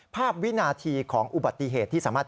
วินาทีของอุบัติเหตุที่สามารถ